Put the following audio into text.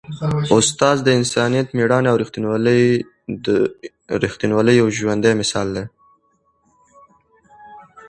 استاد د انسانیت، مېړانې او ریښتینولۍ یو ژوندی مثال دی.